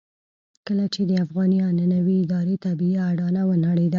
کله چې د افغاني عنعنوي ادارې طبيعي اډانه ونړېده.